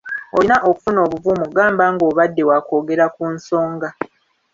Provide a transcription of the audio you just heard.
Olina okufuna obuvumu gamba ng'obadde wa kwogera ku nsonga.